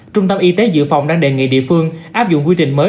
trung tâm y tế dự phòng đang đề nghị địa phương áp dụng quy trình mới